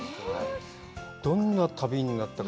どんな旅になったか。